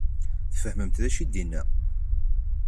Tfehmemt d acu i d-yenna?